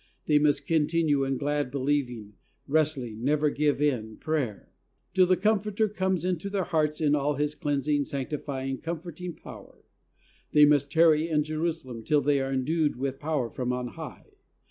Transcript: They must continue in glad, believ ing, wrestling, never give in prayer, till the Comforter comes into their hearts in all His cleansing, sanctifying, comforting power. They must "tarry in Jerusalem till they are endued with power from on high."